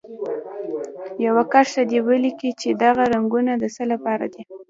یوه کرښه دې ولیکي چې دغه رنګونه د څه لپاره دي.